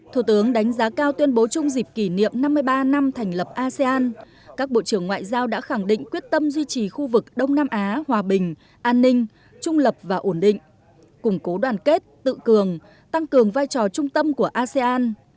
thủ tướng đánh giá cao tuyên bố chung dịp kỷ niệm năm mươi ba năm thành lập asean các bộ trưởng ngoại giao đã khẳng định quyết tâm duy trì khu vực đông nam á hòa bình an ninh trung lập và ổn định củng cố đoàn kết tự cường tăng cường vai trò trung tâm của asean